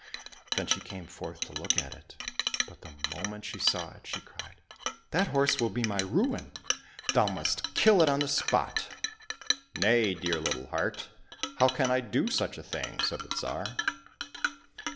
Then she came forth to look at it ; but the moment she saw it, she cried, " That horse will be my ruin. Thou must kill it on the spot." —" Nay, dear little heart ! how can I do such a thing ?" said the Tsar.